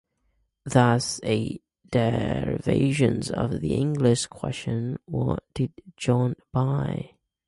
Thus, a derivation of the English question What did John buy?